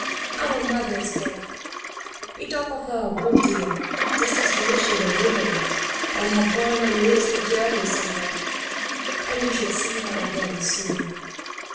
"Our mother is dead. We talk of her a good deal, just as though she were living and had gone on a little journey somewhere, and we should see her again soon.